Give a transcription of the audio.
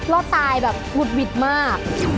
แล้วตายแบบหุดหวิตมาก